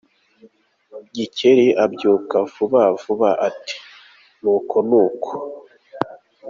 Gikeli abyuka vuba vuba, ati “Ni uko, ni uko.